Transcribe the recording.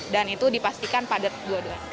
dan itu dipastikan padat dua dua